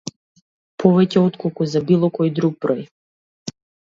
Повеќе отколку за кој било друг број.